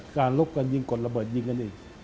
การรบกันกินกดระเบิดยิงกันกันอีก